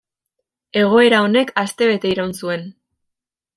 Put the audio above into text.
Egoera honek astebete iraun zuen.